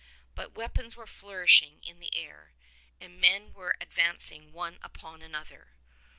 But weapons were flourishing in the air, and men were advancing one upon another.